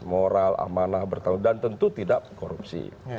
moral amanah bertanggung jawab dan tentu tidak korupsi